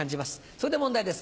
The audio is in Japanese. そこで問題です。